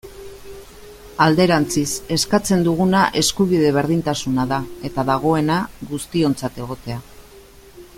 Alderantziz, eskatzen duguna eskubide berdintasuna da, eta dagoena, guztiontzat egotea.